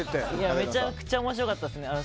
めちゃくちゃ面白かったです。